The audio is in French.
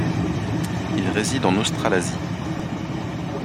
Ils résident en Australasie.